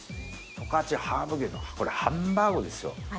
十勝ハーブ牛のハンバーグですよ。